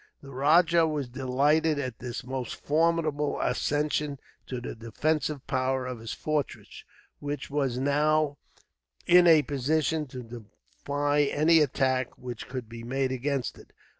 The rajah was delighted at this most formidable accession to the defensive power of his fortress, which was now in a position to defy any attack which could be made against it.